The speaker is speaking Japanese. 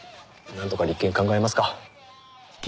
なんとか立件考えますか。